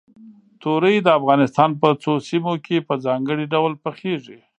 تورۍ د افغانستان په څو سیمو کې په ځانګړي ډول پخېږي.